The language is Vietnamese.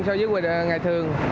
so với ngày thường